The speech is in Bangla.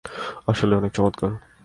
আসলেই অনেক চমৎকার।